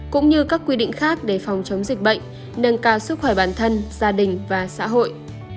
cũng như các quy định khác để phòng chống dịch bệnh nâng cao sức khỏe bản thân gia đình và xã hội